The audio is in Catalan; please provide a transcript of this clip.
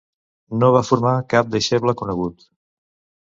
No va formar cap deixeble conegut.